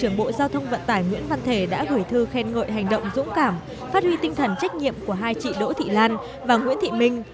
bộ giao thông vận tải nguyễn văn thể đã gửi thư khen ngợi hành động dũng cảm phát huy tinh thần trách nhiệm của hai chị đỗ thị lan và nguyễn thị minh